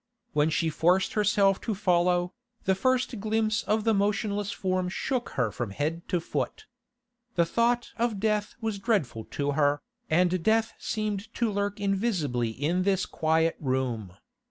When she forced herself to follow, the first glimpse of the motionless form shook her from head to foot. The thought of death was dreadful to her, and death seemed to lurk invisibly in this quiet room.